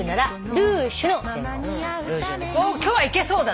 今日はいけそうだな。